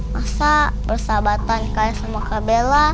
masa persahabatan kakak sama kak bella